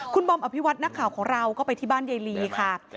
คุณบอมอภิวัตินักข่าวของเราก็ไปที่บ้านยายลีค่ะ